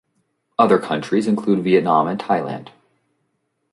Other countries include Vietnam and Thailand.